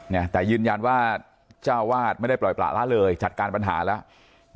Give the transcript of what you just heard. เนี่ยแต่ยืนยันว่าเจ้าวาดไม่ได้ปล่อยประละเลยจัดการปัญหาแล้ว